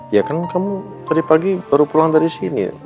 ya kan kamu tadi pagi baru pulang dari sini ya